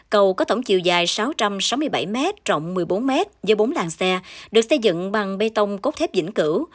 cầu có tổng chiều dài sáu trăm sáu mươi bảy m trọng một mươi bốn m với bốn làng xe được xây dựng bằng bê tông cốt thép dĩnh cửu